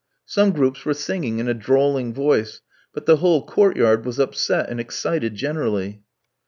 Some groups were singing in a drawling voice, but the whole court yard was upset and excited generally.